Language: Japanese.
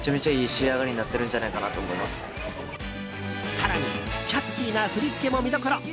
更にキャッチーな振り付けも見どころ。